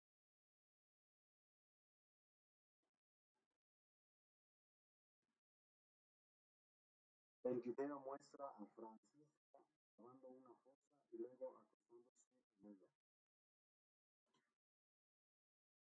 El video muestra a Francisca cavando una fosa y luego acostándose en ella.